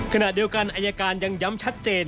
ขณะเดียวกันอายการยังย้ำชัดเจน